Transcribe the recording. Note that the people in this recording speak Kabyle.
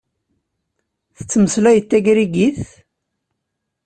Tettmeslayeḍ tagrigit?